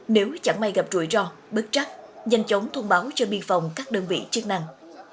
nếu chẳng may gặp rủi ro bớt chắc nhanh chóng thông báo cho biên phòng các đơn vị chức năng